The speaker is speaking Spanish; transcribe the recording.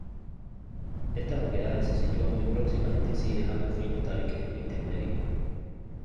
Estas oquedades se sitúan muy próximas entre sí dejando finos tabiques intermedios.